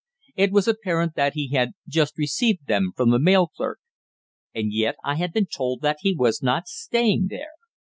It was apparent that he had just received them from the mail clerk. And yet I had been told that he was not staying there!